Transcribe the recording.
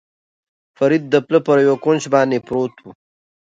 فرید د پله پر یوه کونج باندې پروت و.